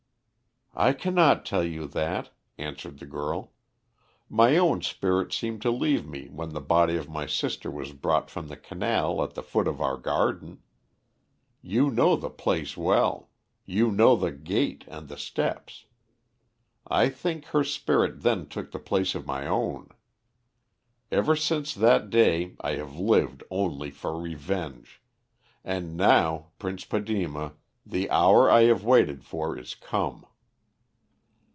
"I cannot tell you that," answered the girl. "My own spirit seemed to leave me when the body of my sister was brought from the canal at the foot of our garden. You know the place well; you know the gate and the steps. I think her spirit then took the place of my own. Ever since that day I have lived only for revenge, and now, Prince Padema, the hour I have waited for is come."